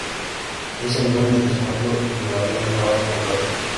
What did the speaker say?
Hice el gol del descuento y me valió renovar el contrato.